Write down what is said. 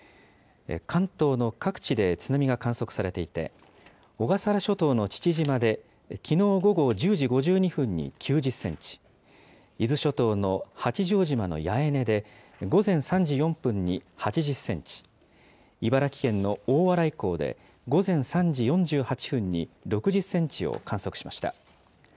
関東の各地で津波が観測されていて、小笠原諸島の父島で、きのう午後１０時５２分に９０センチ、伊豆諸島の八丈島の八重根で、午前３時４分に８０センチ、茨城県の大洗港で午前３時４８分に６０センチを観測しました。